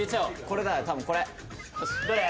これだよ多分これどれ？